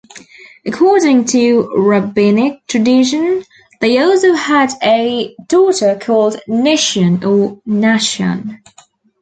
According to Rabbinic tradition, they also had a daughter called Nishyan or Nashyan.